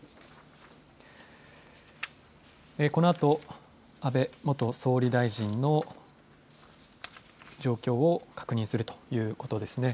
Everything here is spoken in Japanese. このあと安倍元総理大臣の状況を確認するということですね。